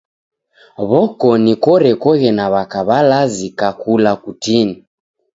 W'okoni korekoghe na w'aka w'alazi kakula kutini.